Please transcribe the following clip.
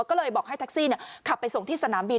ก็เลยบอกให้แท็กซี่ขับไปส่งที่สนามบิน